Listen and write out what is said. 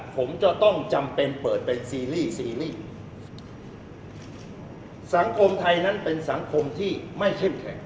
ผมจะต้องจำเป็นเปิดเป็นซีรีส์ซีรีส์สังคมไทยนั้นเป็นสังคมที่ไม่เข้มแข็ง